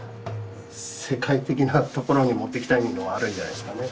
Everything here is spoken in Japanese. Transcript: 世界的なところに持っていきたいのはあるんじゃないですかね。